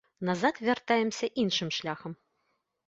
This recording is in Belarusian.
Назад вяртаемся іншым шляхам.